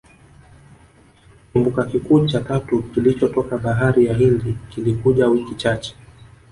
Kimbunga kikuu cha tatu kilichotoka Bahari ya Hindi kilikuja wiki chache